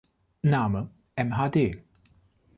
Name mhd.